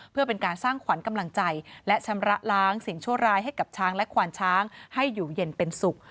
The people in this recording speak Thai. เพื่อเป็นการสร้างขวัญกำลังใจและชำระล้างสิ่งชั่วร้ายให้กับช้างและควานช้างให้อยู่เย็นเป็นสุข